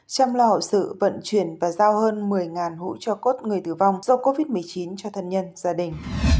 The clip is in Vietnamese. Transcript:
chăm lo hậu sự vận chuyển và giao hơn một mươi hũ cho cốt người tử vong do covid một mươi chín cho thân nhân gia đình